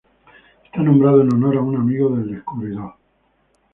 Está nombrado en honor a un amigo del descubridor.